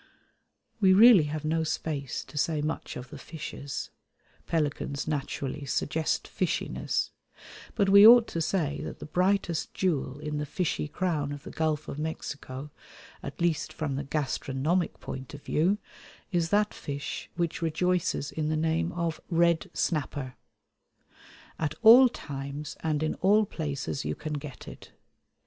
We really have no space to say much of the fishes (pelicans naturally suggest fishiness); but we ought to say that the brightest jewel in the fishy crown of the Gulf of Mexico, at least from the gastronomic point of view, is that fish which rejoices in the name of Red Snapper. At all times and in all places you can get it.